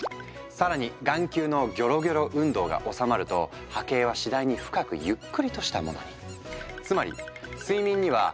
更に眼球のギョロギョロ運動が収まると波形は次第に深くゆっくりとしたものに。